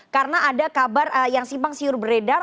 karena ada kabar yang simpang siur beredar